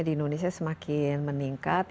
di indonesia semakin meningkat